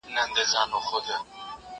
زه به اوږده موده د ژبي تمرين کړی وم!.